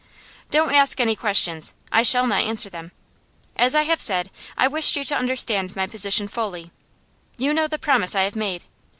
Don't ask any questions; I shall not answer them. As I have said so much, I wished you to understand my position fully. You know the promise I have made.